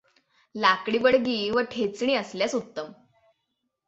लाकडी बडगी व ठेचणी असल्यास उत्तम.